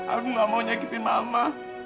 aku gak mau nyakitin mama